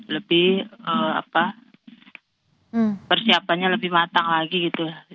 lebih berhati hati dan lebih persiapannya lebih matang lagi gitu